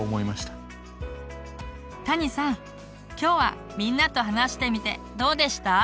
たにさん今日はみんなと話してみてどうでした？